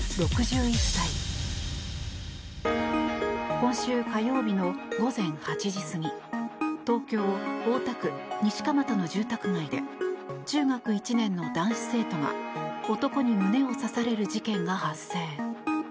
今週火曜日の午前８時過ぎ東京・大田区西蒲田の住宅街で中学１年の男子生徒が男に胸を刺される事件が発生。